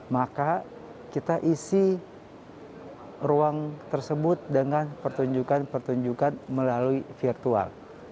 maka kita isi ruang tersebut dengan pertunjukan pertunjukan melalui virtual